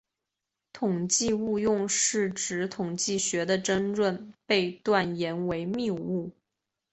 统计误用是指统计学的争论被断言为谬误。